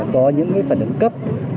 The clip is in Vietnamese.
có những phản ứng cấp